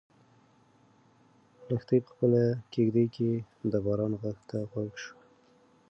لښتې په خپله کيږدۍ کې د باران غږ ته غوږ شو.